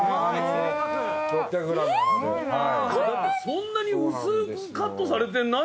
そんなに薄くカットされてないよね？